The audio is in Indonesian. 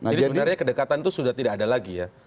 jadi sebenarnya kedekatan itu sudah tidak ada lagi ya